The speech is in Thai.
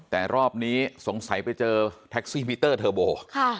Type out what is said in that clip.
แต่รอบนี้สงสัยไปเจอแท็กซี่มิเตอร์เทอร์โบ